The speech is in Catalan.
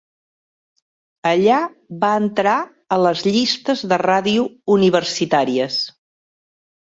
Allà va entrar a les llistes de ràdio universitàries.